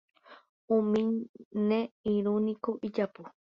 Umi ne irũniko ijapu.